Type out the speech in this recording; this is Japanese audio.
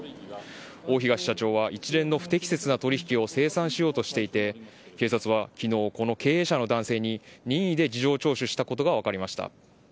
大東社長は一連の不適切な取引を清算しようとしていて警察は昨日、この経営者の男性に任意で事情聴取したことが分かりました。